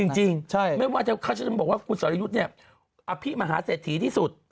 จริงไม่ว่าเขาจะบอกว่าคุณสรยุทธ์เนี่ยอภิมหาเศรษฐีที่สุด